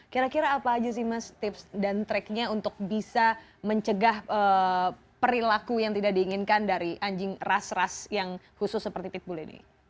kira kira apa aja sih mas tips dan tracknya untuk bisa mencegah perilaku yang tidak diinginkan dari anjing ras ras yang khusus seperti pitbull ini